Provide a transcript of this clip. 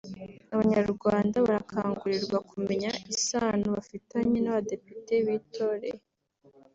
Abanyarwanda barakangurirwa kumenya isano bafitanye n’abadepite bitoreye